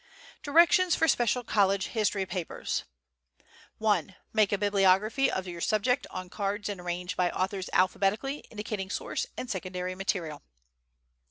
Directions for Special College History Papers. I. Make a bibliography of your subject on cards and arrange by authors alphabetically, indicating source and secondary material.